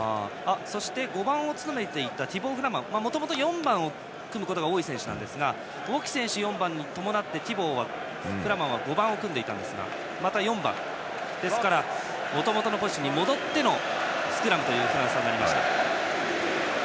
そして、５番を務めていたティボー・フラマンもともと４番を組むことが多い選手なんですがウォキ選手が４番に伴ってティボー・フラマン選手は５番でしたがまた４番ですからもともとのポジションに戻ってのスクラムになったフランス。